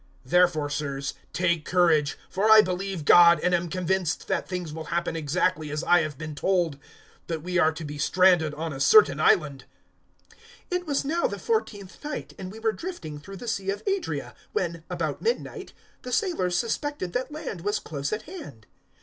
027:025 "Therefore, Sirs, take courage; for I believe God, and am convinced that things will happen exactly as I have been told. 027:026 But we are to be stranded on a certain island." 027:027 It was now the fourteenth night, and we were drifting through the Sea of Adria, when, about midnight, the sailors suspected that land was close at hand.